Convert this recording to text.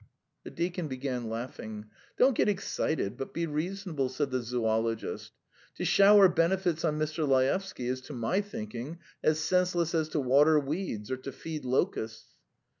The deacon began laughing. "Don't get excited, but be reasonable," said the zoologist. "To shower benefits on Mr. Laevsky is, to my thinking, as senseless as to water weeds or to feed locusts."